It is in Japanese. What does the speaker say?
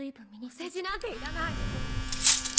お世辞なんていらない！